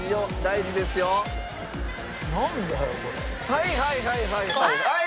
はいはいはいはいはい。